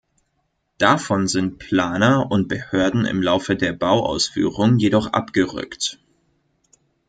Davon sind Planer und Behörden im Laufe der Bauausführung jedoch abgerückt.